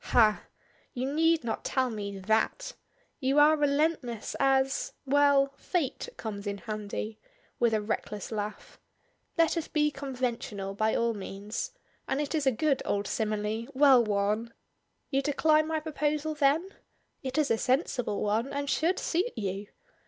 "Hah! You need not tell me that. You are relentless as well, 'Fate' comes in handy," with a reckless laugh. "Let us be conventional by all means, and it is a good old simile, well worn! You decline my proposal then? It is a sensible one, and should suit you.